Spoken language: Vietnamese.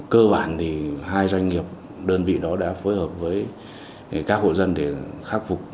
cơ bản thì hai doanh nghiệp đơn vị đó đã phối hợp với các hộ dân để khắc phục